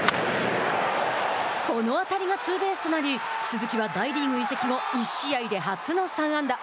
この当たりがツーベースとなり鈴木は、大リーグ移籍後１試合で初の３安打。